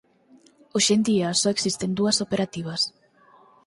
Hoxe en día só existen dúas operativas.